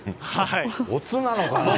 おつなのかな？